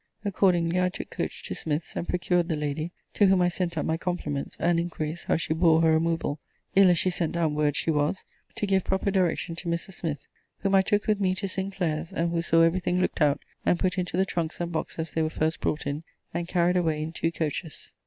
Accordingly, I took coach to Smith's, and procured the lady, (to whom I sent up my compliments, and inquiries how she bore her removal,) ill as she sent down word she was, to give proper direction to Mrs. Smith: whom I took with me to Sinclair's: and who saw every thing looked out, and put into the trunks and boxes they were first brought in, and carried away in two coaches.